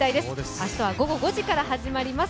明日は午後５時から始まります。